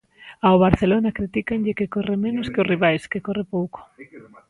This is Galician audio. Ao Barcelona critícanlle que corre menos que os rivais, que corre pouco.